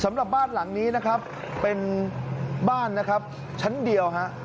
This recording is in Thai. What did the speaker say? สำหรับบ้านหลังนี้นะครับเป็นบ้านนะครับชั้นเดียวฮะ